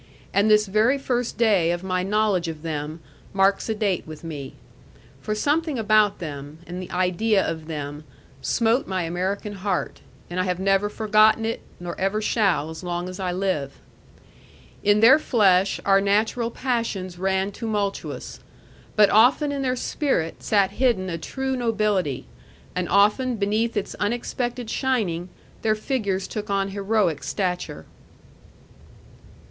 And this very first day of my knowledge of them marks a date with me. For something about them, and the idea of them, smote my American heart, and I have never forgotten it, nor ever shall, as long as I live. In their flesh our natural passions ran tumultuous; but often in their spirit sat hidden a true nobility, and often beneath its unexpected shining their figures took on heroic stature.